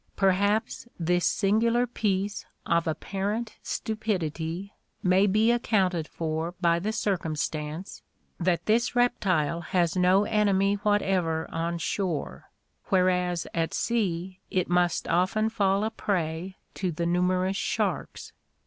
... Perhaps this singular piece of apparent stupidity may be accounted for by the circumstance, that this reptile has no enemy whatever on shore, whereas at sea it must often fall a prey to the numerous sharks.